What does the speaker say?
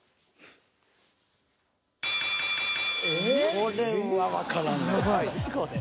これはわからんな。